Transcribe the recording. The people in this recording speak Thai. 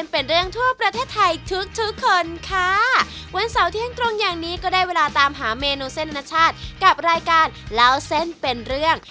ไปตามหาเมนูเส้นอนาชาติกับรายการเล่าเส้นเป็นเรื่อง